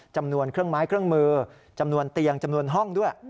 จำนวนเครื่องไม้เครื่องมือจำนวนเตียงจำนวนห้องด้วย